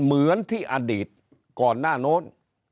เหมือนที่อดีตก่อนหน้าโน้น